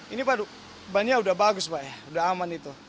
ini waduk bannya udah bagus pak ya udah aman itu